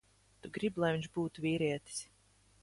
Tu gribi, lai viņš būtu vīrietis.